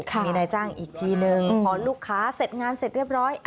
มีนายจ้างอีกทีนึงพอลูกค้าเสร็จงานเสร็จเรียบร้อย